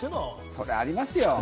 そりゃありますよ。